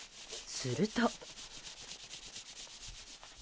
すると。